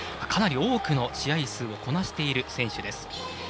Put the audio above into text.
かなり多くの国際試合をこなしている選手です。